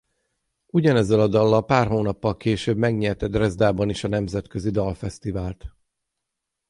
Ugyanezzel a dallal pár hónappal később megnyerte Drezdában is a Nemzetközi Dalfesztivált.